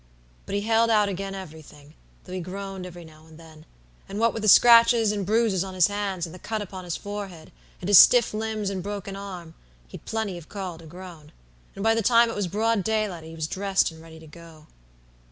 But he held out agen everything, though he groaned every now and then; and what with the scratches and bruises on his hands, and the cut upon his forehead, and his stiff limbs and broken arm, he'd plenty of call to groan; and by the time it was broad daylight he was dressed and ready to go.